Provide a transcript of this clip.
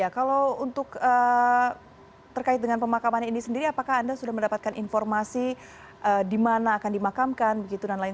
kalau terkait dengan pemakaman ini sendiri apakah anda sudah mendapatkan informasi di mana akan dimakamkan